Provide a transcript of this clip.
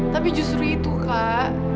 tapi justru itu kak